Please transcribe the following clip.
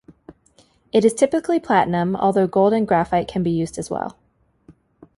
It is typically platinum, although gold and graphite can be used as well.